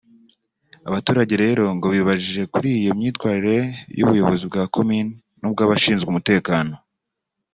Abaturage rero ngo bibajije kuri iyo myitwarire y’ubuyobozi bwa komini n’ubw’abashinzwe umutekano